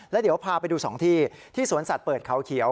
แล้วเดี๋ยวพาไปดู๒ที่ที่สวนสัตว์เปิดเขาเขียว